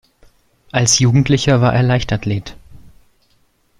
Als Jugendlicher war er Leichtathlet.